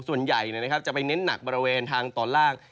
ส่วนใหญ่จะไปเน้นหนักบริเวณทางตอนล่าง